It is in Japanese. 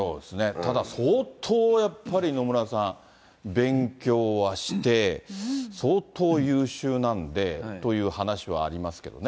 ただ相当やっぱり、野村さん、勉強はして、相当優秀なんで、という話はありますけれどもね。